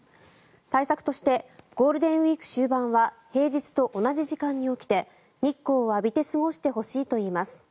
対策としてゴールデンウィーク終盤は平日と同じ時間に起きて日光を浴びて過ごしてほしいといいます。